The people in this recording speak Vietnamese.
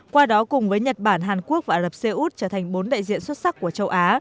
qua đó cùng với nhật bản hàn quốc và ả lập xê út trở thành bốn đại diện xuất sắc của châu á